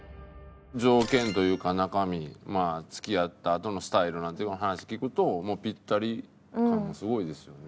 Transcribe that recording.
条件というか中身付き合ったあとのスタイルなんていうお話聞くともうピッタリ感がすごいですよね。